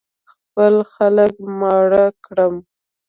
خپل خلک ماړه کړم.